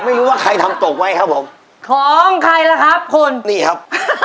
ไม่รู้ว่าใครทำตกไว้ครับผมของใครล่ะครับคุณนี่ครับ